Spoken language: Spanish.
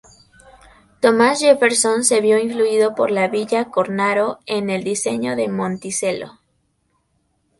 Thomas Jefferson se vio influido por Villa Cornaro en el diseño de Monticello.